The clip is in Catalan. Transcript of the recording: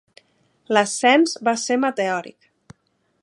L'ascens va ser meteòric.